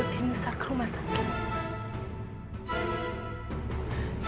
doki misal ke rumah sakit